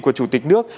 của chủ tịch nước